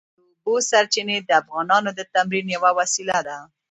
د اوبو سرچینې د افغانانو د تفریح یوه وسیله ده.